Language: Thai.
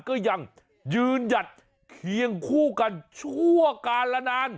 ก็ยังยืนหยัดเคียงคู่กันชั่วการละนาน